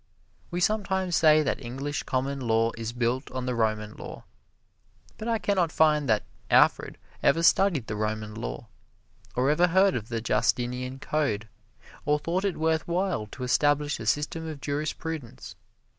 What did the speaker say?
We sometimes say that English Common Law is built on the Roman Law, but I can not find that Alfred ever studied the Roman Law, or ever heard of the Justinian Code, or thought it worth while to establish a system of jurisprudence.